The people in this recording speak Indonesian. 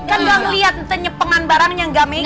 kan enggak ngelihat nanti nyepengan barangnya enggak megang